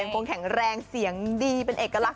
คงแข็งแรงเสียงดีเป็นเอกลักษ